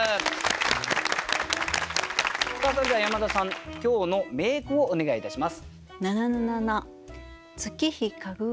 それでは山田さん今日の名句をお願いいたします。